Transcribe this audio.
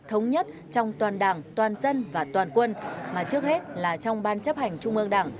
thống nhất trong toàn đảng toàn dân và toàn quân mà trước hết là trong ban chấp hành trung ương đảng